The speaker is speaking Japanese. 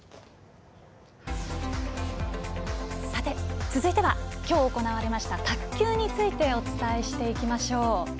さて、続いてはきょう行われました卓球についてお伝えしていきましょう。